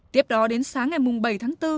tiếp đó đến sáng ngày mùng bảy tháng bốn